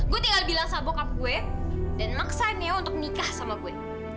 gue tinggal bilang sama bokap gue dan maksain neo untuk nikah sama gue